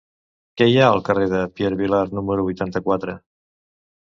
Què hi ha al carrer de Pierre Vilar número vuitanta-quatre?